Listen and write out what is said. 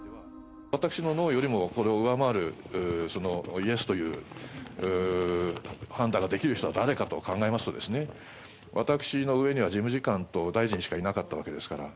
私のノーよりも、これを上回るイエスという判断ができる人は誰かと考えますと、私の上には事務次官と大臣しかいなかったわけですから。